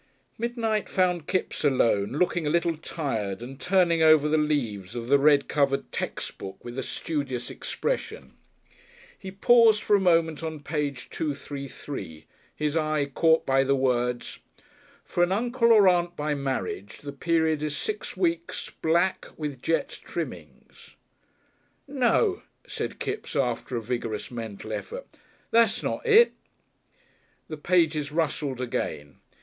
Midnight found Kipps alone, looking a little tired and turning over the leaves of the red covered textbook with a studious expression. He paused for a moment on page 233, his eye caught by the words: "FOR AN UNCLE OR AUNT BY MARRIAGE the period is six weeks black, with jet trimmings." "No," said Kipps, after a vigorous mental effort. "That's not it." The pages rustled again.